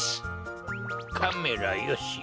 カメラよし。